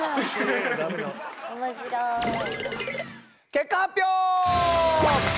結果発表！